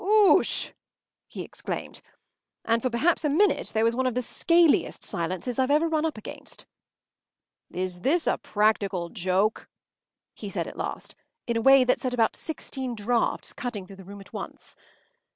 “Oosh!” he exclaimed. And for perhaps a minute there was one of the scaliest silences I’ve ever run up against. “Is this a practical joke?” he said at last, in a way that set about sixteen draughts cutting through the room at once.